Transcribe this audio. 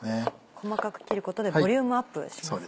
細かく切ることでボリュームアップしますね。